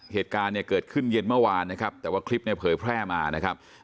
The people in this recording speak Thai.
เหตุการณ์เนี่ยเกิดขึ้นเย็นเมื่อวานนะครับแต่ว่าคลิปเนี่ยเผยแพร่มานะครับ